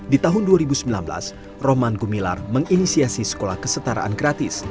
di tahun dua ribu sembilan belas roman gumilar menginisiasi sekolah kesetaraan gratis